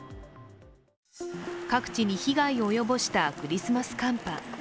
各地に被害を及ぼしたクリスマス寒波。